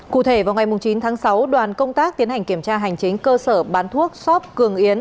cụ thể vào ngày chín tháng sáu đoàn công tác tiến hành kiểm tra hành chính cơ sở bán thuốc shop cường yến